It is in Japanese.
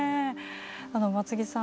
松木さん